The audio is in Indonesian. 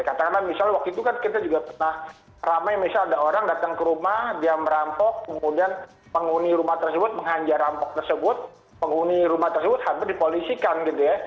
karena misalnya waktu itu kan kita juga pernah ramai misalnya ada orang datang ke rumah dia merampok kemudian penghuni rumah tersebut menghanjar rampok tersebut penghuni rumah tersebut sampai dipolisikan gitu